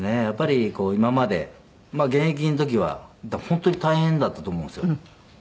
やっぱり今まで現役の時は多分本当に大変だったと思うんですよ。